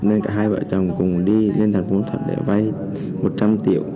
nên cả hai vợ chồng cùng đi lên thành phố thuận để vay một trăm linh triệu